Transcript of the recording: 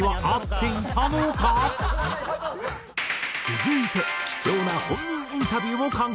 続いて貴重な本人インタビューを敢行。